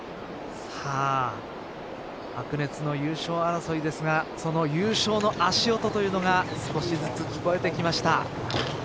白熱の優勝争いですがその優勝の足音というのが少しずつ聞こえてきました。